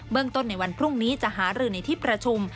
ต้นในวันพรุ่งนี้จะหารือในที่ประชุม